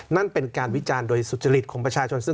นั่นเป็นการวิจารณ์โดยสุจริตของประชาชนซึ่ง